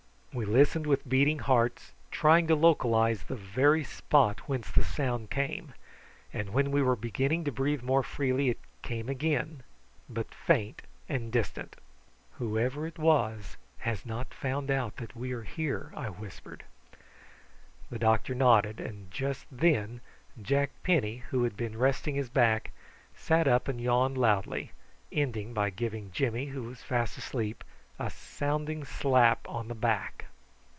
We listened with beating hearts, trying to localise the very spot whence the sound came; and when we were beginning to breathe more freely it came again, but faint and distant. "Whoever it was has not found out that we are here," I whispered. The doctor nodded; and just then Jack Penny, who had been resting his back, sat up and yawned loudly, ending by giving Jimmy, who was fast asleep, a sounding slap on the back.